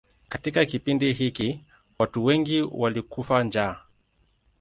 Katika kipindi hiki watu wengi walikufa njaa.